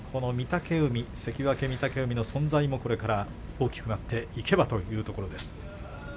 関脇御嶽海の存在もこれから大きくなっていけばというところです。